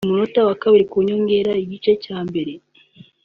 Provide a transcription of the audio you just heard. Ku munota wa kabiri ku nyongera y’igice cya mbere